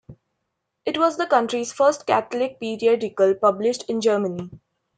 It was the country's first Catholic periodical published in German.